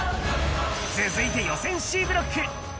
続いて予選Ｃブロック。